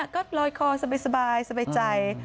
ก็ลอยคอสบายใจ